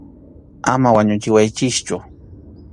Ama wañuchiwaychikchu.